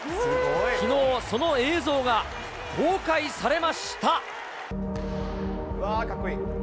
きのう、その映像が公開されました。